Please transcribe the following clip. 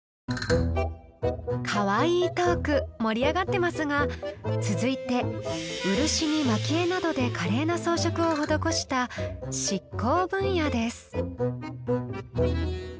かわいいトーク盛り上がってますが続いて漆に蒔絵などで華麗な装飾を施した「漆工」分野です。